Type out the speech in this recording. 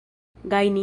gajni